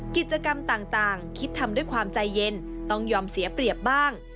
กิจกรรมต่างคิดทำด้วยความใจเย็นต้องยอมเสียเปรียบบ้าง